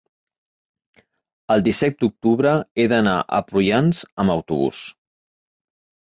el disset d'octubre he d'anar a Prullans amb autobús.